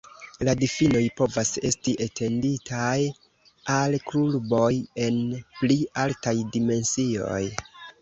La difinoj povas esti etenditaj al kurboj en pli altaj dimensioj.